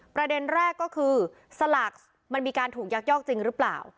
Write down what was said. ประเด็นแรกก็คือสลากมันมีการถูกยักยอกจริงหรือเปล่า